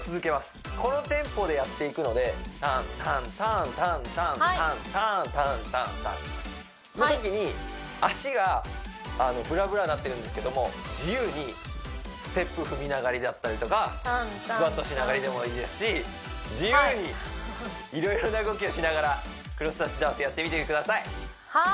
はいこのテンポでやっていくのでタンタンターンタンタンタンターンタンタンタンのときに足がブラブラなってるんですけども自由にステップ踏みながらだったりとかスクワットしながらでもいいですし自由に色々な動きをしながらクロスタッチダンスやってみてくださいはい！